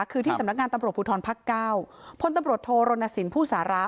คือที่สำนักงานตำรวจภูทรภักดิ์เก้าพลตำรวจโทรณสินผู้สาระ